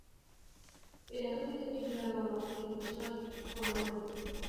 এই লেখাগুলি দেখিয়া বিনয়ের মনে অকৃত্রিম বিস্ময় উৎপন্ন হইল।